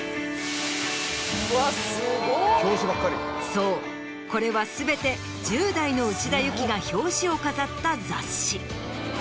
そうこれは全て１０代の内田有紀が表紙を飾った雑誌。